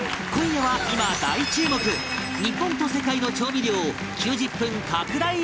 今夜は今大注目日本と世界の調味料９０分拡大